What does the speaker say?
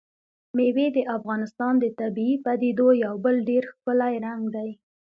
مېوې د افغانستان د طبیعي پدیدو یو بل ډېر ښکلی رنګ دی.